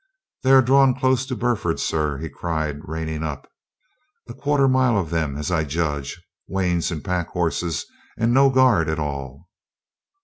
"They are drawn close to Burford, sir," he cried, reining up. "A quarter mile of them, as I judge, wains and pack horses, and no guard at all."